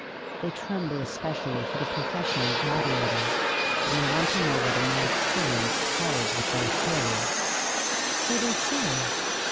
They tremble especially for the professional gladiator. And they want to know whether my experience tallies with their theory." "So they say!"